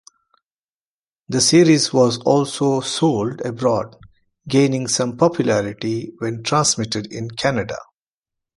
The series was also sold abroad, gaining some popularity when transmitted in Canada.